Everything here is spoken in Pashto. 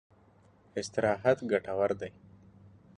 استراحت ګټور دی.